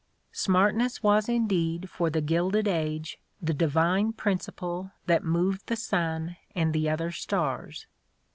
" Smartness was indeed, for the Gilded Age, the divine principle that moved the sun and the other stars.